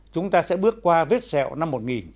chúng ta sẽ bước qua vết sẹo năm một nghìn chín trăm bảy mươi